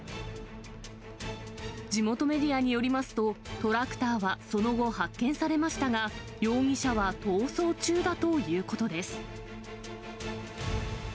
地元メディアによりますと、トラクターはその後、発見されましたが、容疑者は逃走中だということです。